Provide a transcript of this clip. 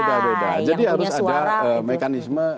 yang punya suara jadi harus ada mekanisme